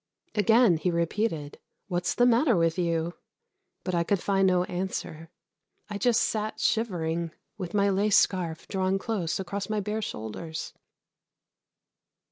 Again he repeated, "What's the matter with you?" but I could find no answer. I just sat shivering, with my lace scarf drawn close across my bare shoulders.